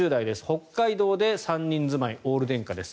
北海道で３人住まいオール電化です。